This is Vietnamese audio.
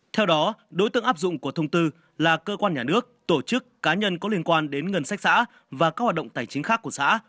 theo đó đối tượng áp dụng của thông tư là cơ quan nhà nước tổ chức cá nhân có liên quan đến ngân sách xã và các hoạt động tài chính khác của xã